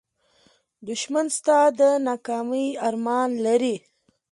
دښمن ستا د ناکامۍ ارمان لري